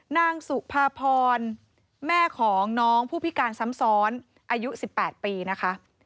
นางสุภาพรแม่ของน้องผู้พิการซ้ำซ้อนอายุ๑๘ปีนะคะ